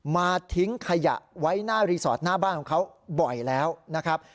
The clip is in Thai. ทิ้งขยะไว้หน้ารีสอร์ทหน้าบ้านของเขาบ่อยแล้วนะครับ